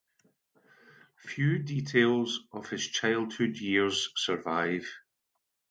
Few details of his childhood years survive.